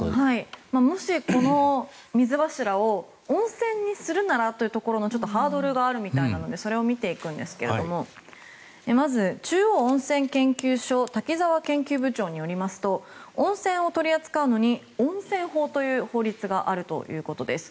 もし、この水柱を温泉にするならというところのハードルがあるみたいなのでそれを見ていくんですがまず中央温泉研究所滝沢研究部長によりますと温泉を取り扱うのに温泉法という法律があるということです。